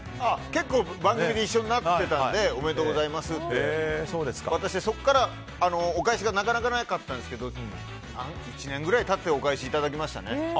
結構番組で一緒になってたのでおめでとうございますって渡してそこから、お返しがなかなかなかったんですけど１年ぐらい経ってお返しいただきましたね。